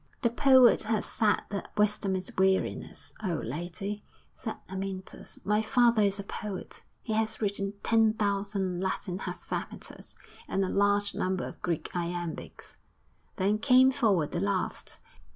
'The poet has said that wisdom is weariness, oh lady!' said Amyntas. 'My father is a poet; he has written ten thousand Latin hexameters, and a large number of Greek iambics.' ... Then came forward the last.